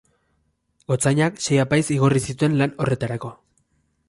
Gotzainak sei apaiz igorri zituen lan horretarako.